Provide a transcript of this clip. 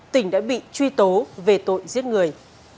tỉnh đã bị truy tố về tội giết người